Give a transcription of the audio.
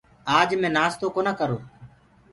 آج مينٚ نآستو ڪونآ ڪرو۔